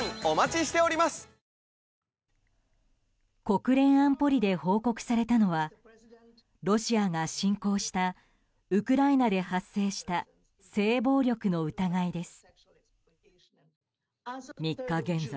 国連安保理で報告されたのはロシアが侵攻したウクライナで発生した性暴力の疑いです。